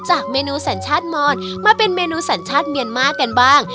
เมนูสัญชาติมอนมาเป็นเมนูสัญชาติเมียนมาร์กันบ้าง